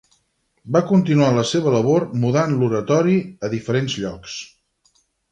Va continuar la seva labor, mudant l'oratori a diferents llocs.